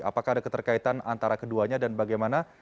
apakah ada keterkaitan antara keduanya dan bagaimana